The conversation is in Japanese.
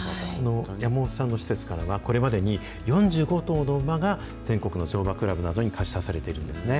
山本さんの施設からは、これまでに４５頭の馬が全国の乗馬クラブなどに貸し出されているんですね。